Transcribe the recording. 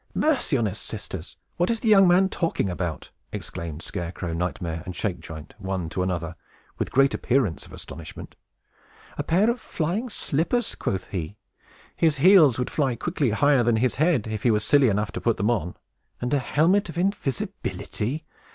"Mercy on us, sisters! what is the young man talking about?" exclaimed Scarecrow, Nightmare, and Shakejoint, one to another, with great appearance of astonishment. "A pair of flying slippers, quoth he! His heels would quickly fly higher than his head, if he were silly enough to put them on. And a helmet of invisibility!